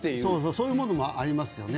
そういうものもありますよ。